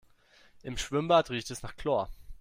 Im Schwimmbad riecht es nach Chlor.